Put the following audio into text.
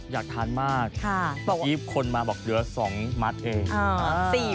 อยากทานมากอีบคนมาบอกเดือสองมาที